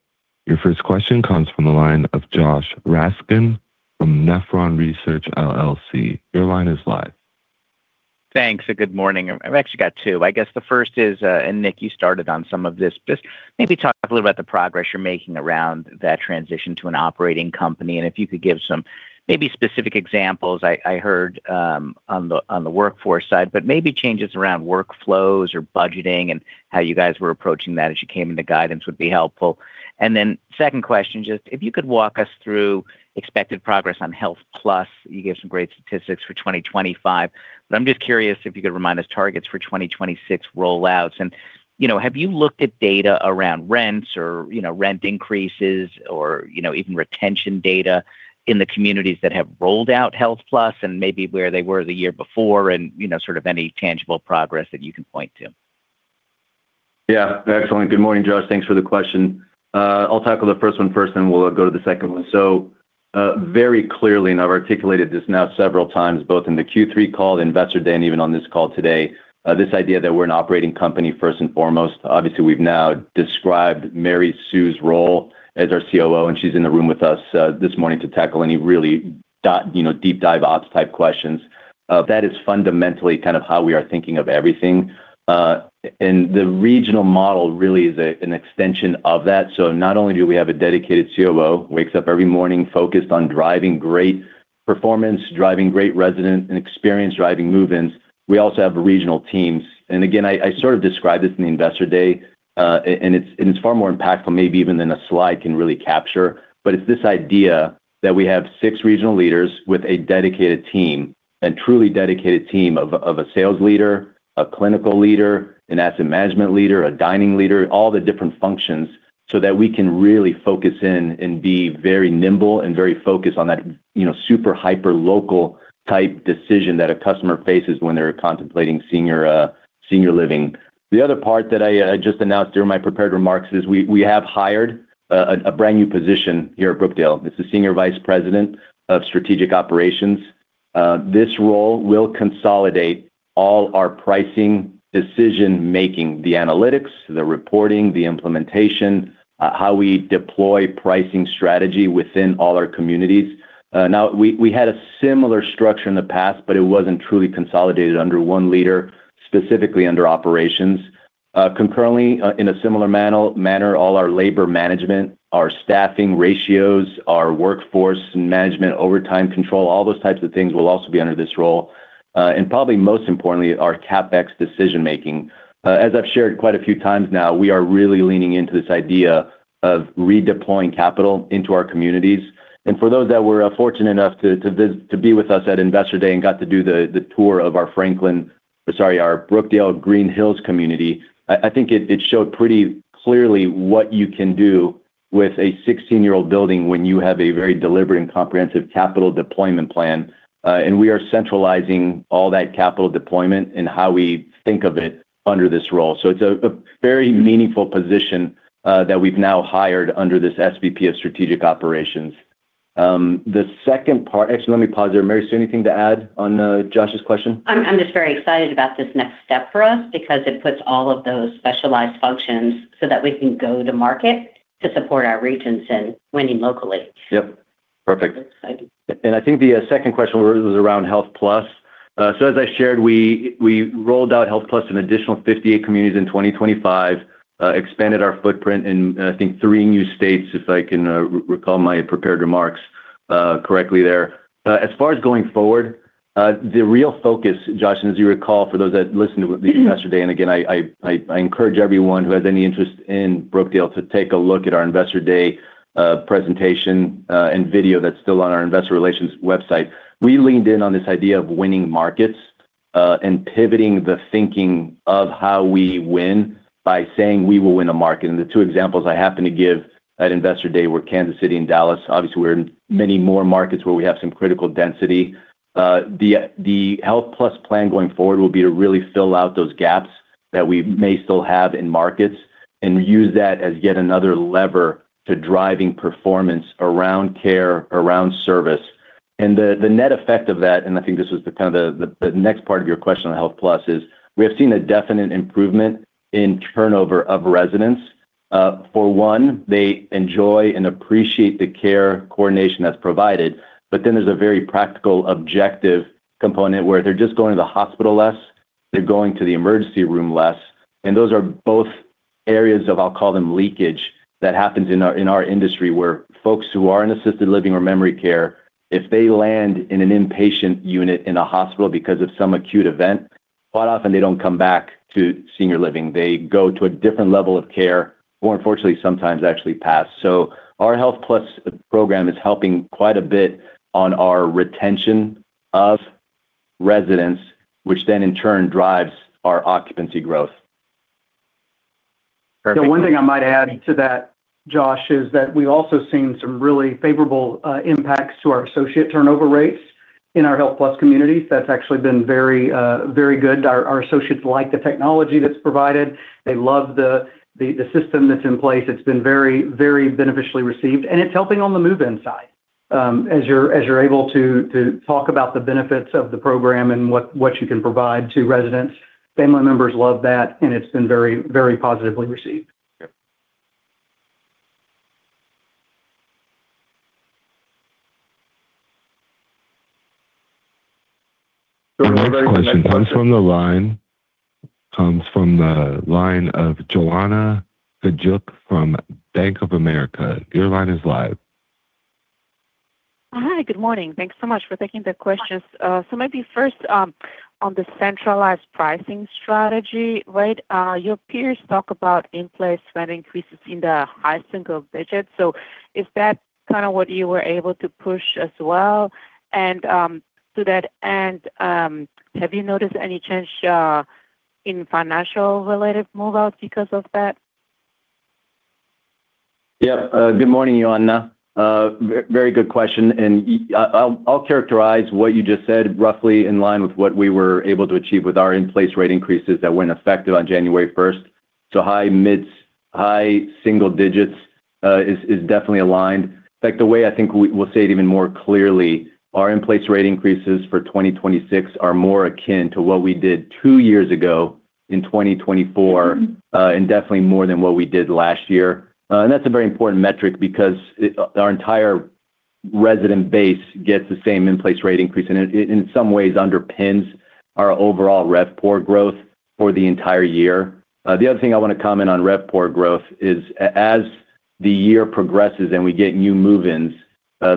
Your first question comes from the line of Josh Raskin from Nephron Research LLC. Your line is live. Thanks, and good morning. I've actually got two. I guess the first is, and Nick, you started on some of this. Just maybe talk a little about the progress you're making around that transition to an operating company, and if you could give some maybe specific examples. I heard on the workforce side, but maybe changes around workflows or budgeting and how you guys were approaching that as you came into guidance would be helpful. Then second question, just if you could walk us through expected progress on HealthPlus. You gave some great statistics for 2025, but I'm just curious if you could remind us targets for 2026 rollouts. You know, have you looked at data around rents or, you know, rent increases or, you know, even retention data in the communities that have rolled out HealthPlus and maybe where they were the year before and, you know, sort of any tangible progress that you can point to? Yeah, excellent. Good morning, Josh. Thanks for the question. I'll tackle the first one first, then we'll go to the second one. So, very clearly, and I've articulated this now several times, both in the Q3 call, Investor Day, and even on this call today, this idea that we're an operating company first and foremost. Obviously, we've now described Mary Sue's role as our COO, and she's in the room with us, this morning to tackle any really di- you know, deep dive ops type questions. That is fundamentally kind of how we are thinking of everything, and the regional model really is a, an extension of that. So not only do we have a dedicated COO, wakes up every morning focused on driving great performance, driving great resident and experience driving move-ins, we also have regional teams. And again, I sort of described this in the Investor Day, and it's far more impactful maybe even than a slide can really capture. But it's this idea that we have six regional leaders with a dedicated team, a truly dedicated team of a sales leader, a clinical leader, an asset management leader, a dining leader, all the different functions, so that we can really focus in and be very nimble and very focused on that, you know, super hyperlocal-type decision that a customer faces when they're contemplating senior living. The other part that I just announced during my prepared remarks is we have hired a brand-new position here at Brookdale. It's the Senior Vice President of Strategic Operations. This role will consolidate all our pricing decision-making, the analytics, the reporting, the implementation, how we deploy pricing strategy within all our communities. Now, we had a similar structure in the past, but it wasn't truly consolidated under one leader, specifically under operations. Concurrently, in a similar manner, all our labor management, our staffing ratios, our workforce management, overtime control, all those types of things will also be under this role, and probably most importantly, our CapEx decision-making. As I've shared quite a few times now, we are really leaning into this idea of redeploying capital into our communities. For those that were fortunate enough to visit to be with us at Investor Day and got to do the tour of our Franklin. Sorry, our Brookdale Green Hills community, I think it showed pretty clearly what you can do with a 16 year old building when you have a very deliberate and comprehensive capital deployment plan. And we are centralizing all that capital deployment and how we think of it under this role. So it's a very meaningful position that we've now hired under this SVP of Strategic Operations. Actually, let me pause there. Mary Sue, anything to add on Josh's question? I'm just very excited about this next step for us because it puts all of those specialized functions so that we can go to market to support our regions in winning locally. Yep. Perfect. Excited. I think the second question was around HealthPlus. So as I shared, we rolled out HealthPlus in an additional 58 communities in 2025, expanded our footprint in, I think, three new states, if I can recall my prepared remarks correctly there. As far as going forward, the real focus, Josh, and as you recall, for those that listened to the Investor Day, and again, I encourage everyone who has any interest in Brookdale to take a look at our Investor Day presentation and video that's still on our investor relations website. We leaned in on this idea of winning markets and pivoting the thinking of how we win by saying we will win a market. The two examples I happened to give at Investor Day were Kansas City and Dallas. Obviously, we're in many more markets where we have some critical density. The HealthPlus plan going forward will be to really fill out those gaps that we may still have in markets and use that as yet another lever to driving performance around care, around service. And the net effect of that, and I think this was the kind of the next part of your question on HealthPlus, is we have seen a definite improvement in turnover of residents. For one, they enjoy and appreciate the care coordination that's provided, but then there's a very practical, objective component where they're just going to the hospital less, they're going to the emergency room less, and those are both areas of, I'll call them, leakage, that happens in our, in our industry, where folks who are in assisted living or memory care, if they land in an inpatient unit in a hospital because of some acute event, quite often they don't come back to senior living. They go to a different level of care or unfortunately, sometimes actually pass. So our HealthPlus program is helping quite a bit on our retention of residents, which then in turn drives our occupancy growth. The one thing I might add to that, Josh, is that we've also seen some really favorable impacts to our associate turnover rates in our HealthPlus communities. That's actually been very, very good. Our associates like the technology that's provided. They love the system that's in place. It's been very, very beneficially received, and it's helping on the move-in side. As you're able to talk about the benefits of the program and what you can provide to residents. Family members love that, and it's been very, very positively received. Yep. Next question comes from the line of Joanna Gajuk from Bank of America. Your line is live. Hi, good morning. Thanks so much for taking the questions. So maybe first, on the centralized pricing strategy, right? Your peers talk about in-place rent increases in the high single digits, so is that kind of what you were able to push as well? To that end, have you noticed any change in financial-related move-outs because of that? Yeah. Good morning, Joanna. Very good question, and I'll characterize what you just said roughly in line with what we were able to achieve with our in-place rate increases that went effective on January first. So high mids, high single digits is definitely aligned. In fact, the way I think we'll say it even more clearly, our in-place rate increases for 2026 are more akin to what we did two years ago in 2024, and definitely more than what we did last year. And that's a very important metric because it, our entire resident base gets the same in-place rate increase, and it in some ways underpins our overall RevPOR growth for the entire year. The other thing I want to comment on RevPOR growth is as the year progresses and we get new move-ins,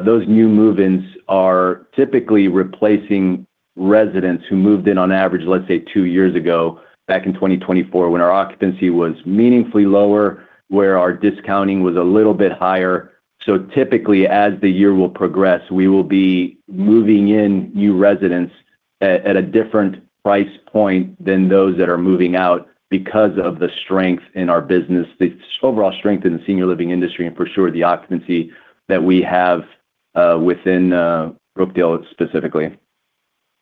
those new move-ins are typically replacing residents who moved in on average, let's say, two years ago, back in 2024, when our occupancy was meaningfully lower, where our discounting was a little bit higher. So typically, as the year will progress, we will be moving in new residents at a different price point than those that are moving out because of the strength in our business, the overall strength in the senior living industry, and for sure, the occupancy that we have within Brookdale specifically.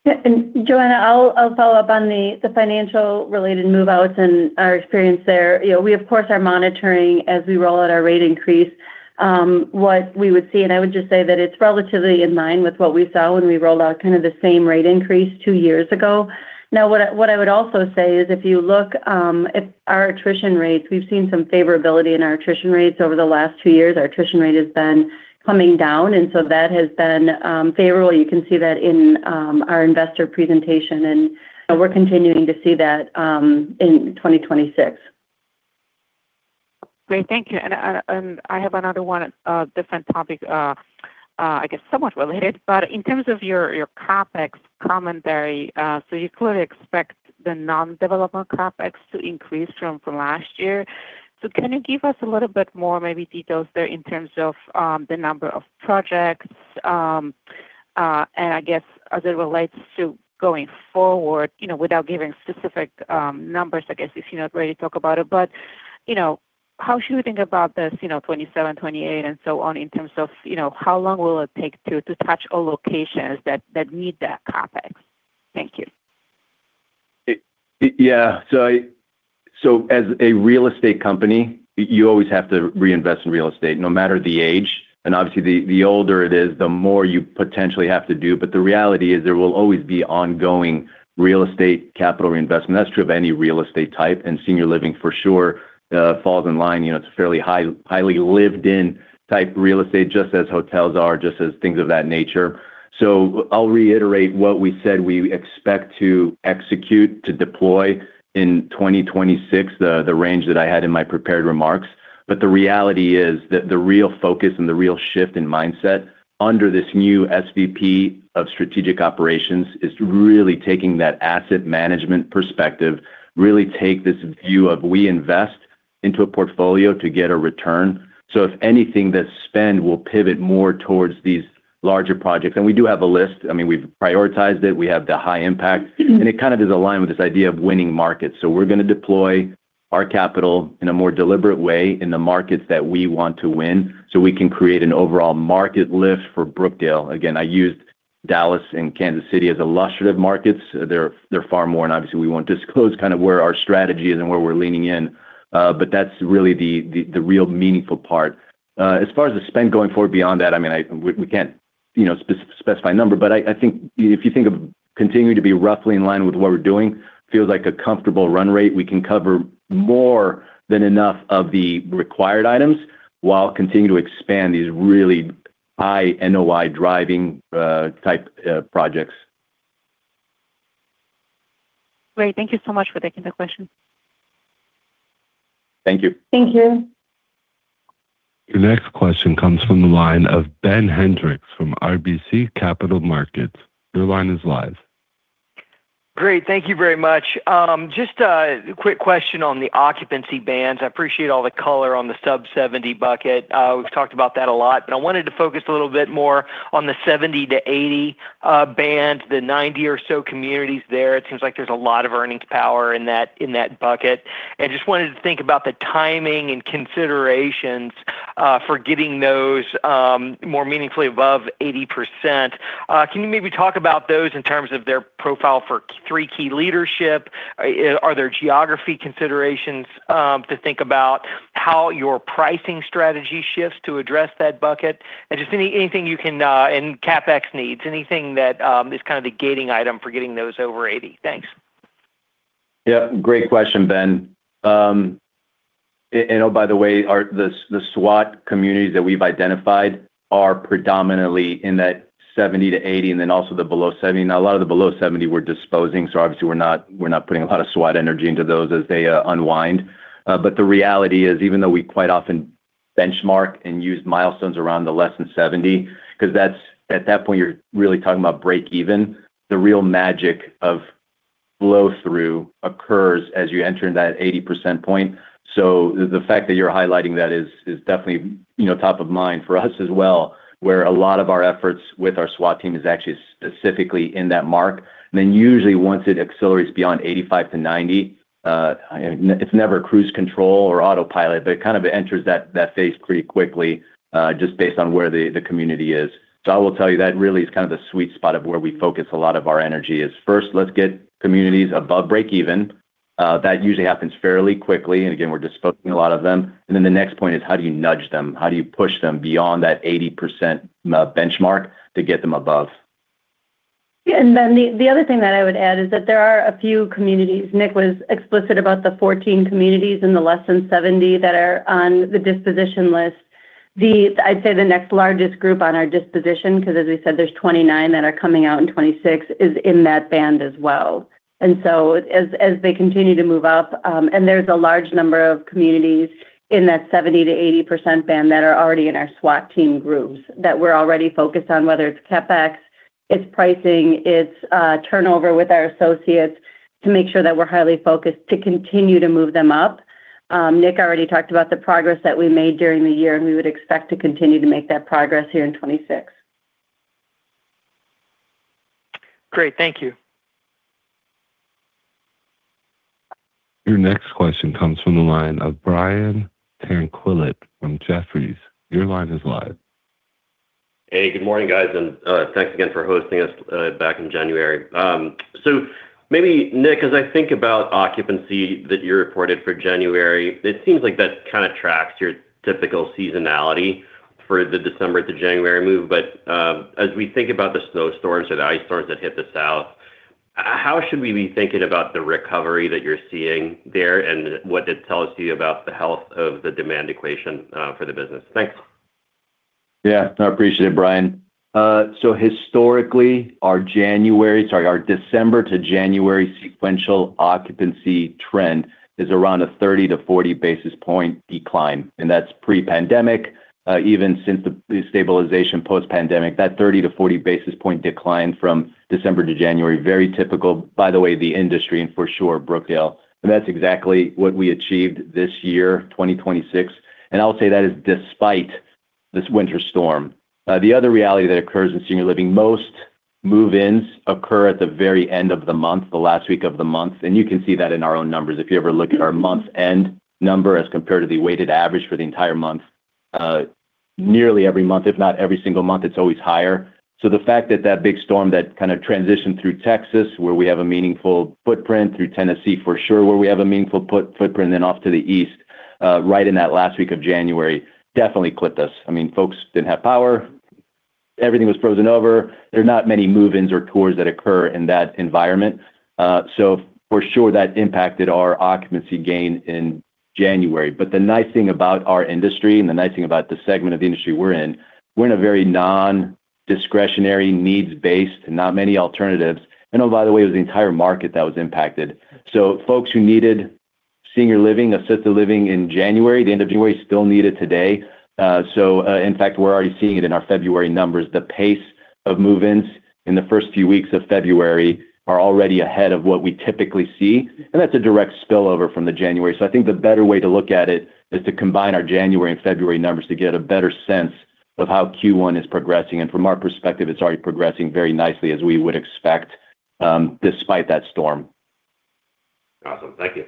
Yeah, and Joanna, I'll follow up on the financial-related move-outs and our experience there. You know, we, of course, are monitoring as we roll out our rate increase what we would see, and I would just say that it's relatively in line with what we saw when we rolled out kind of the same rate increase two years ago. Now, what I would also say is, if you look at our attrition rates, we've seen some favorability in our attrition rates over the last two years. Our attrition rate has been coming down, and so that has been favorable. You can see that in our investor presentation, and we're continuing to see that in 2026. Great. Thank you. And, and I have another one, different topic, I guess, somewhat related, but in terms of your, your CapEx commentary, so you clearly expect the non-development CapEx to increase from, from last year. So can you give us a little bit more, maybe details there in terms of, the number of projects, and I guess as it relates to going forward, you know, without giving specific, numbers, I guess, if you're not ready to talk about it, but you know, how should we think about this, you know, 2027, 2028, and so on in terms of, you know, how long will it take to, to touch all locations that, that need that CapEx? Thank you. Yeah. So as a real estate company, you always have to reinvest in real estate, no matter the age, and obviously, the older it is, the more you potentially have to do. But the reality is there will always be ongoing real estate capital reinvestment. That's true of any real estate type, and senior living, for sure, falls in line. You know, it's fairly high, highly lived-in type real estate, just as hotels are, just as things of that nature. So I'll reiterate what we said. We expect to execute, to deploy in 2026, the range that I had in my prepared remarks. But the reality is that the real focus and the real shift in mindset under this new SVP of strategic operations is really taking that asset management perspective, really take this view of we invest into a portfolio to get a return. So if anything, that spend will pivot more towards these larger projects. And we do have a list. I mean, we've prioritized it. We have the high impact, and it kind of is aligned with this idea of winning markets. So we're gonna deploy our capital in a more deliberate way in the markets that we want to win, so we can create an overall market lift for Brookdale. Again, I used Dallas and Kansas City as illustrative markets. They're far more, and obviously we won't disclose kind of where our strategy is and where we're leaning in, but that's really the real meaningful part. As far as the spend going forward beyond that, I mean, we can't, you know, specify a number, but I think if you think of continuing to be roughly in line with what we're doing, feels like a comfortable run rate. We can cover more than enough of the required items while continuing to expand these really high NOI-driving type projects. Great. Thank you so much for taking the question. Thank you. Thank you. Your next question comes from the line of Ben Hendrix from RBC Capital Markets. Your line is live. Great. Thank you very much. Just a quick question on the occupancy bands. I appreciate all the color on the sub-70 bucket. We've talked about that a lot, but I wanted to focus a little bit more on the 70-80 band, the 90 or so communities there. It seems like there's a lot of earnings power in that bucket, and just wanted to think about the timing and considerations for getting those more meaningfully above 80%. Can you maybe talk about those in terms of their profile for three key leadership? Are there geography considerations to think about how your pricing strategy shifts to address that bucket? And just anything you can and CapEx needs, anything that is kind of the gating item for getting those over 80. Thanks. Yeah, great question, Ben. And oh, by the way, our SWAT communities that we've identified are predominantly in that 70%-80% and then also the below 70%. Now, a lot of the below 70% we're disposing, so obviously we're not putting a lot of SWAT energy into those as they unwind. But the reality is, even though we quite often benchmark and use milestones around the less than 70%, 'cause that's at that point you're really talking about break even, the real magic of flow through occurs as you enter into that 80% point. So the fact that you're highlighting that is definitely, you know, top of mind for us as well, where a lot of our efforts with our SWAT team is actually specifically in that mark. Then usually once it accelerates beyond 85-90, it's never cruise control or autopilot, but it kind of enters that, that phase pretty quickly, just based on where the, the community is. So I will tell you, that really is kind of the sweet spot of where we focus a lot of our energy is, first, let's get communities above break even. That usually happens fairly quickly, and again, we're disposing a lot of them. And then the next point is, how do you nudge them? How do you push them beyond that 80% benchmark to get them above? Yeah, and then the other thing that I would add is that there are a few communities. Nick was explicit about the 14 communities in the less than 70% that are on the disposition list. I'd say the next largest group on our disposition, 'cause as we said, there's 29 that are coming out in 2026, is in that band as well. And so as they continue to move up, and there's a large number of communities in that 70%-80% band that are already in our SWAT team groups, that we're already focused on, whether it's CapEx, it's pricing, it's turnover with our associates to make sure that we're highly focused to continue to move them up. Nick already talked about the progress that we made during the year, and we would expect to continue to make that progress here in 2026. Great. Thank you. Your next question comes from the line of Brian Tanquilut from Jefferies. Your line is live. Hey, good morning, guys, and thanks again for hosting us back in January. So maybe Nick, as I think about occupancy that you reported for January, it seems like that kind of tracks your typical seasonality for the December to January move. But as we think about the snowstorms or the ice storms that hit the South, how should we be thinking about the recovery that you're seeing there and what that tells you about the health of the demand equation for the business? Thanks. Yeah, I appreciate it, Brian. So historically, our January sorry, our December to January sequential occupancy trend is around a 30-40 basis point decline, and that's pre-pandemic. Even since the stabilization post-pandemic, that 30-40 basis point decline from December to January, very typical, by the way, the industry and for sure, Brookdale. And that's exactly what we achieved this year, 2026, and I would say that is despite this winter storm. The other reality that occurs in senior living, most move-ins occur at the very end of the month, the last week of the month, and you can see that in our own numbers. If you ever look at our month-end number as compared to the weighted average for the entire month, nearly every month, if not every single month, it's always higher. So the fact that that big storm that kind of transitioned through Texas, where we have a meaningful footprint, through Tennessee, for sure, where we have a meaningful footprint, then off to the east, right in that last week of January, definitely clipped us. I mean, folks didn't have power. Everything was frozen over. There are not many move-ins or tours that occur in that environment. So for sure, that impacted our occupancy gain in January. But the nice thing about our industry and the nice thing about the segment of the industry we're in, we're in a very non-discretionary, needs-based, and not many alternatives. And oh, by the way, it was the entire market that was impacted. So folks who needed senior living, assisted living in January, the end of January, still need it today. So, in fact, we're already seeing it in our February numbers. The pace of move-ins in the first few weeks of February are already ahead of what we typically see, and that's a direct spillover from the January. So I think the better way to look at it is to combine our January and February numbers to get a better sense of how Q1 is progressing, and from our perspective, it's already progressing very nicely as we would expect, despite that storm. Awesome. Thank you.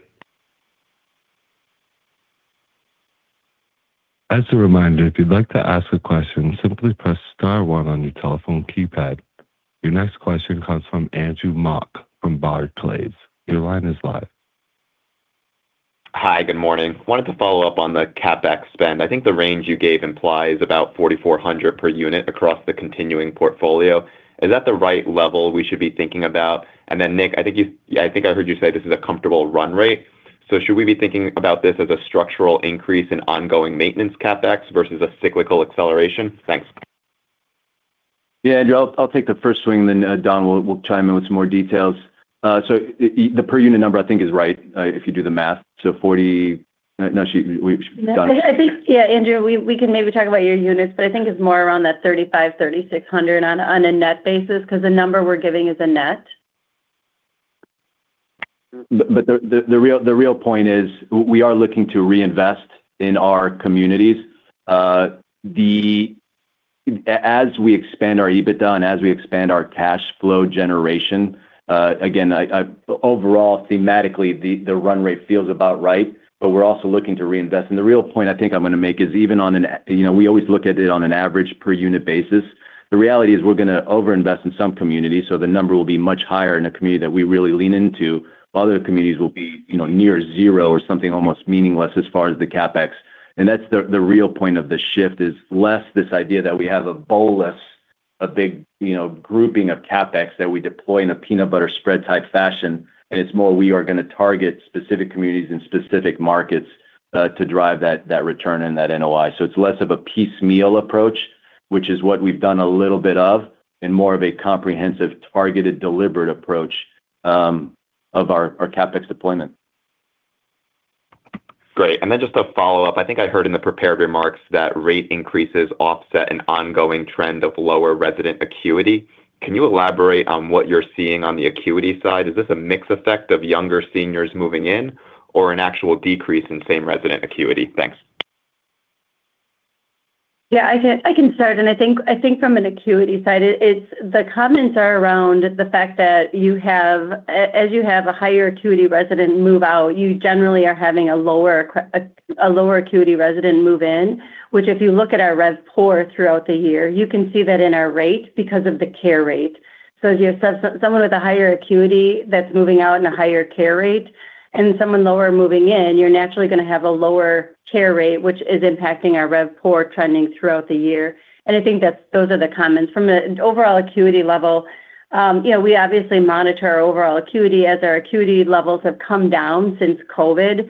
As a reminder, if you'd like to ask a question, simply press star one on your telephone keypad. Your next question comes from Andrew Mok from Barclays. Your line is live. Hi. Good morning. Wanted to follow up on the CapEx spend. I think the range you gave implies about $4,400 per unit across the continuing portfolio. Is that the right level we should be thinking about? And then, Nick, I think you—I think I heard you say this is a comfortable run rate. So should we be thinking about this as a structural increase in ongoing maintenance CapEx versus a cyclical acceleration? Thanks. Yeah, Andrew, I'll take the first swing, then Dawn will chime in with some more details. So the per unit number, I think, is right if you do the math, so 40 no, she, we. I think, yeah, Andrew, we can maybe talk about your units, but I think it's more around that 3,500-3,600 on a net basis, 'cause the number we're giving is a net. But the real point is, we are looking to reinvest in our communities. As we expand our EBITDA and as we expand our cash flow generation, again, overall, thematically, the run rate feels about right, but we're also looking to reinvest. And the real point I think I'm gonna make is even on an you know, we always look at it on an average per unit basis. The reality is we're gonna overinvest in some communities, so the number will be much higher in a community that we really lean into. Other communities will be, you know, near zero or something almost meaningless as far as the CapEx. That's the real point of this shift is less this idea that we have a bolus, a big, you know, grouping of CapEx that we deploy in a peanut butter spread type fashion, and it's more we are gonna target specific communities and specific markets to drive that return and that NOI. So it's less of a piecemeal approach, which is what we've done a little bit of, and more of a comprehensive, targeted, deliberate approach of our CapEx deployment. Great. And then just a follow-up. I think I heard in the prepared remarks that rate increases offset an ongoing trend of lower resident acuity. Can you elaborate on what you're seeing on the acuity side? Is this a mix effect of younger seniors moving in or an actual decrease in same resident acuity? Thanks. Yeah, I can start, and I think from an acuity side, it's the comments are around the fact that you have—as you have a higher acuity resident move out, you generally are having a lower acuity resident move in, which, if you look at our RevPOR throughout the year, you can see that in our rate because of the care rate. So as you assess someone with a higher acuity that's moving out in a higher care rate and someone lower moving in, you're naturally gonna have a lower care rate, which is impacting our RevPOR trending throughout the year. And I think that's those are the comments. From an overall acuity level, you know, we obviously monitor our overall acuity. As our acuity levels have come down since COVID,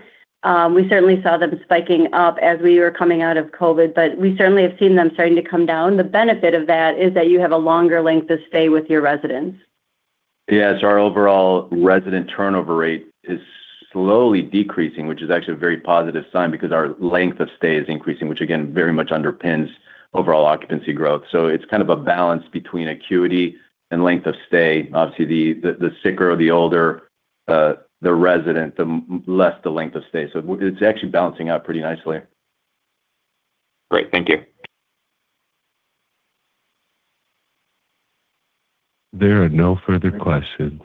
we certainly saw them spiking up as we were coming out of COVID, but we certainly have seen them starting to come down. The benefit of that is that you have a longer length of stay with your residents. Yeah, so our overall resident turnover rate is slowly decreasing, which is actually a very positive sign because our length of stay is increasing, which again, very much underpins overall occupancy growth. So it's kind of a balance between acuity and length of stay. Obviously, the sicker or the older the resident, the less the length of stay. So it's actually balancing out pretty nicely. Great. Thank you. There are no further questions.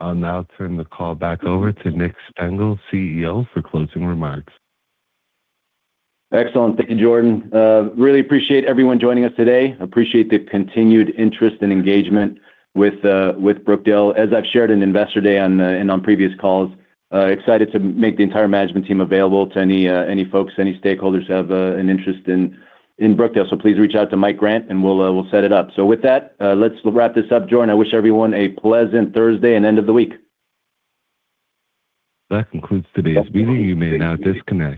I'll now turn the call back over to Nick Stengle, CEO, for closing remarks. Excellent. Thank you, Jordan. Really appreciate everyone joining us today. Appreciate the continued interest and engagement with, with Brookdale. As I've shared in Investor Day and on, and on previous calls, excited to make the entire management team available to any, any folks, any stakeholders who have, an interest in, in Brookdale. So please reach out to Mike Grant, and we'll, we'll set it up. So with that, let's wrap this up. Jordan, I wish everyone a pleasant Thursday and end of the week. That concludes today's meeting. You may now disconnect.